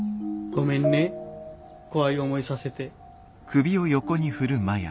ごめんね怖い思いさせて。